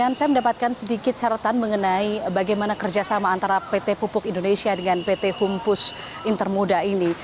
saya mendapatkan sedikit sorotan mengenai bagaimana kerjasama antara pt pupuk indonesia dengan pt humpus intermuda ini